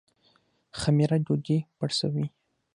خمیره ډوډۍ پړسوي